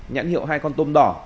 nhãn hiệu hai con tôm đỏ